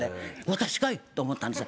私かい⁉と思ったんですよ。